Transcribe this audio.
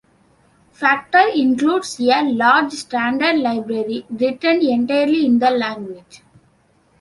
Factor includes a large standard library, written entirely in the language.